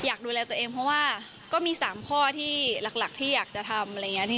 อยากดูแลตัวเองเพราะว่าก็มี๓ข้อที่หลักที่อยากจะทำอะไรอย่างนี้